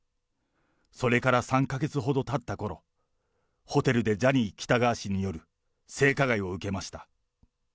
それから３か月ほどたったころ、ホテルでジャニー喜多川氏による性加害を受けました。